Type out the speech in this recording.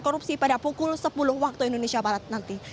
dan juga penyelesaian korupsi pada pukul sepuluh waktu indonesia barat nanti